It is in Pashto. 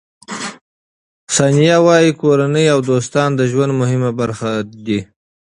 ثانیه وايي، کورنۍ او دوستان د ژوند مهمه برخه دي.